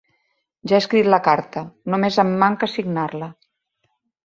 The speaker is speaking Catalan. Ja he escrit la carta: només em manca signar-la.